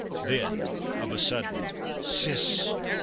Then, of a sudden, Siss!